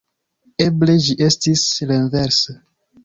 Eble ĝi estis renverse.